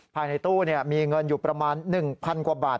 ภายในตู้มีเงินอยู่ประมาณ๑๐๐กว่าบาท